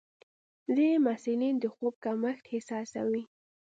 ځینې محصلین د خوب کمښت احساسوي.